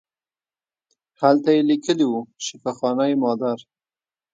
هلته یې لیکلي وو شفاخانه مادر.